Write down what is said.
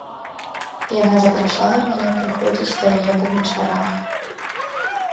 Яна запрашала мяне прыходзіць да яе па вечарах.